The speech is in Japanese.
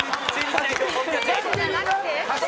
選手じゃなくて？